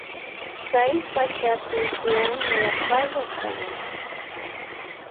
Kay pachapi tiyan yapalla tamia.